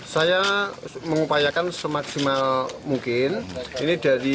saya mengupayakan semaksimal mungkin